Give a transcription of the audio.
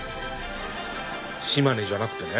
島根じゃなくてね？